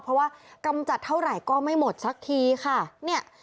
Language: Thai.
เพราะว่ากำจัดเท่าไหร่ก็ไม่หมดสักทีค่ะเนี่ย